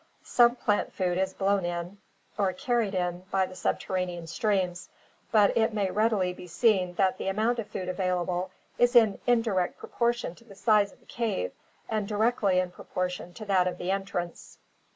Some plant food is blown in or carried in by the subterranean streams, but it may readily be seen that the amount of food available is in indirect proportion to the size of the cave and directly in proportion to that of the entrance.